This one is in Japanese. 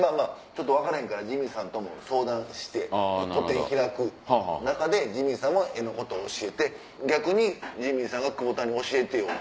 ちょっと分からへんからジミーさんとも相談して個展開く中でジミーさんも絵のこと教えて逆にジミーさんが久保田に「教えてよ」って言って。